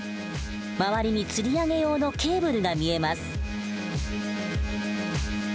周りに吊り上げ用のケーブルが見えます。